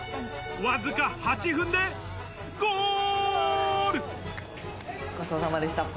わずか８分でゴール！